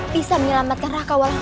tuhan yang terbaik